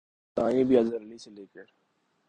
کی کپتانی بھی اظہر علی سے لے کر